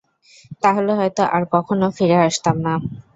তাহলে হয়তো আর কখনও ফিরে আসতাম না।